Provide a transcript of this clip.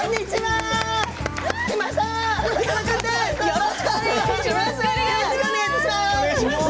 よろしくお願いします！